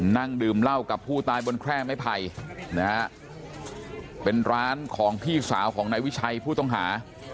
นั่งดื่มเหล้ากับผู้ตายบนแคร่ไม้ไผ่นะฮะเป็นร้านของพี่สาวของนายวิชัยผู้ต้องหา